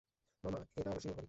মামা, এটা অবশ্যই ওর বাড়ি।